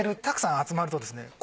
たくさん集まるとですね